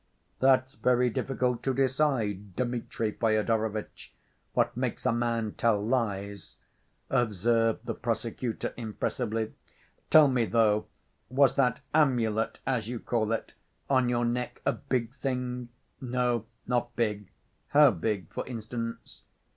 "That's very difficult to decide, Dmitri Fyodorovitch, what makes a man tell lies," observed the prosecutor impressively. "Tell me, though, was that 'amulet,' as you call it, on your neck, a big thing?" "No, not big." "How big, for instance?"